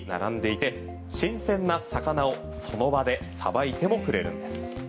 旬の魚が美味しそうに並んでいて新鮮な魚をその場でさばいてもくれるんです。